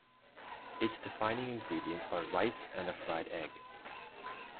Its defining ingredients are rice and a fried egg.